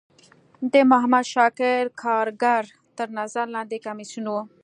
د محمد شاکر کارګر تر نظر لاندی کمیسیون و.